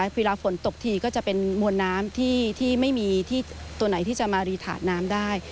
เวลาฝนตกทีก็จะเป็นมวลน้ำที่ไม่มีที่ตัวไหนที่จะมารีถาดน้ำได้